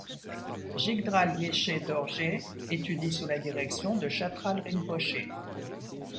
Jigdral Yeshe Dorje étudie sous la direction de Chatral Rinpoché.